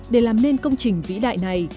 để làm nên công trình vĩ đại này